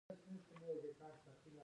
دا استخدام د لیاقت او شایستګۍ په اساس وي.